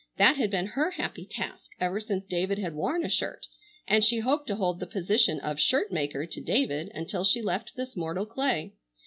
That had been her happy task ever since David had worn a shirt, and she hoped to hold the position of shirt maker to David until she left this mortal clay.